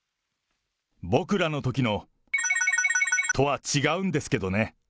僕らのときの×××とは違うんですけどね。